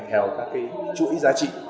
theo các cái chuỗi giá trị